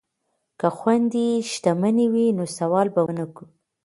که خویندې شتمنې وي نو سوال به نه کوي.